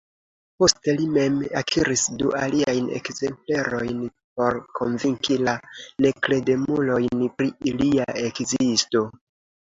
Poste li mem akiris du aliajn ekzemplerojn por konvinki la nekredemulojn pri ilia ekzisto.